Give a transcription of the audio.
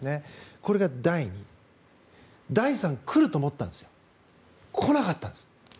これが第２第３、来ると思ったんです来なかったんです。